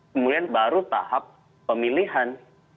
kemudian baru tahap pemilihan